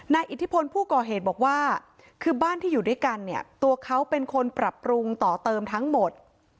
อิทธิพลผู้ก่อเหตุบอกว่าคือบ้านที่อยู่ด้วยกันเนี่ยตัวเขาเป็นคนปรับปรุงต่อเติมทั้งหมด